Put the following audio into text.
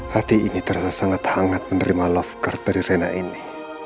hati ini terasa sangat hangat menerima love card dari rena ini